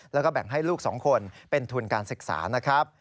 แล้วก็แบ่งให้ลูก๒คนเป็นทุนการศึกษานะครับ